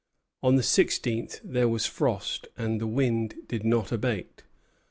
On the sixteenth there was frost, and the wind did not abate.